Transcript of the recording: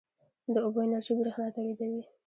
د اوبو انرژي برښنا تولیدوي